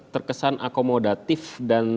terkesan akomodatif dan